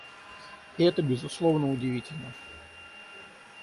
И это, безусловно, удивительно.